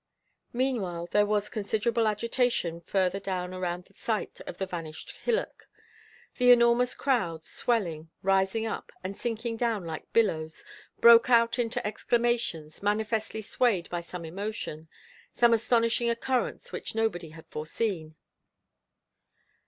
Meanwhile, there was considerable agitation further down around the site of the vanished hillock. The enormous crowd, swelling, rising up, and sinking down like billows, broke out into exclamations, manifestly swayed by some emotion, some astonishing occurrence which nobody had foreseen.